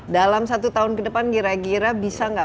dalam satu tahun ke depan gira gira bisa tidak